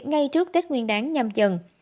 ngay trước tết nguyên đáng nhằm chừng